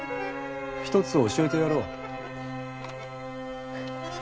ひとつ、教えてやろう。